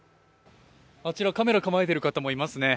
あちらカメラ構えている方もいますね。